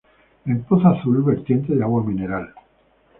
En Pozo Azul, vertiente de agua mineral.